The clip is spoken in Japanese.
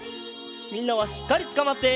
みんなはしっかりつかまって。